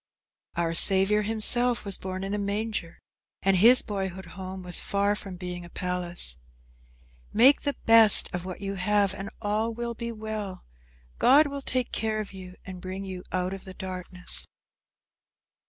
Our Saviour himself was born in a manger, and his boyhood home was far from being a palace. Make the best of what you have and all will be well. God will take care of you and bring you out of the darkness.